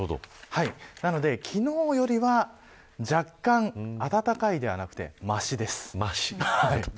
なので、昨日よりは若干、暖かいではなくてまし、です。